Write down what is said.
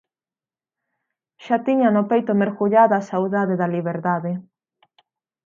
Xa tiña no peito mergullada a saudade da liberdade